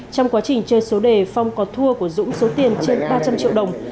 trong quá trình chơi số đề phong có thua của dũng số tiền trên ba trăm linh triệu đồng